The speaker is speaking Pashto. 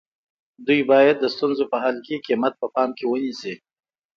دوی باید د ستونزو په حل کې قیمت په پام کې ونیسي.